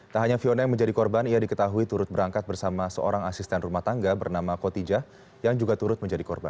tak hanya fiona yang menjadi korban ia diketahui turut berangkat bersama seorang asisten rumah tangga bernama kotija yang juga turut menjadi korban